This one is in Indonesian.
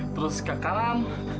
terus ke kanan